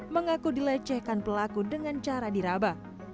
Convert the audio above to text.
mengaku dilecehkan pelaku dengan cara diraba